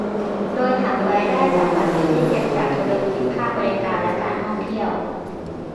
โดยหักรายได้จากภาษีที่เก็บจากธุรกิจภาคบริการและการท่องเที่ยว